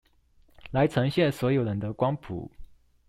來呈現所有人的光譜